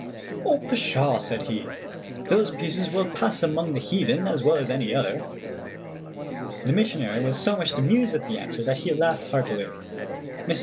"Oh, pshaw," said he, "those pieces will pass among the heathen as well as any other." The missionary was so much amused at the answer that he laughed heartily. Mrs.